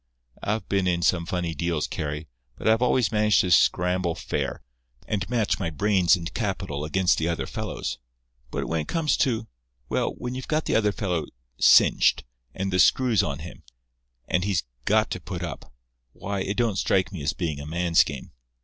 I've been in some funny deals, Carry, but I've always managed to scramble fair, and match my brains and capital against the other fellow's. But when it comes to—well, when you've got the other fellow cinched, and the screws on him, and he's got to put up—why, it don't strike me as being a man's game.